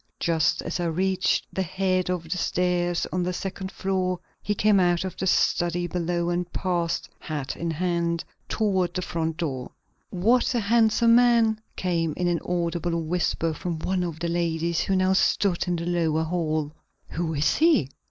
Just as I reached the head of the stairs on the second floor he came out of the study below and passed, hat in hand, toward the front door. "What a handsome man!" came in an audible whisper from one of the ladies, who now stood in the lower hall. "Who is he?"